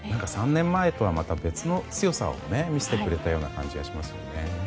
３年前とはまた別の強さを見せてくれたような感じがしますね。